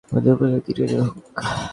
আমাদের উপকারকারী দীর্ঘজীবী হোক।